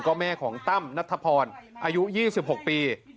ก็แม่ของตั้มนัทพรอายุ๒๖ปี